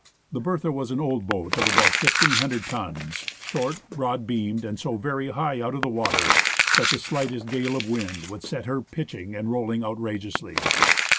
The Bertha was an old boat of about 1,500 tons, short, broad beamed, and so very high out of water that the slightest gale of wind would set her pitching and rolling outrageously.